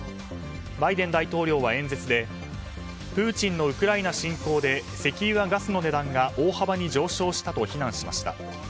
バイデン大統領は演説でプーチンのウクライナ侵攻で石油やガスの値段が大幅に上昇したと非難しました。